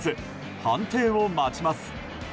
判定を待ちます。